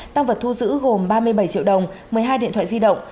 tăng vật thu giữ gồm ba mươi bảy triệu đồng một mươi hai điện thoại di động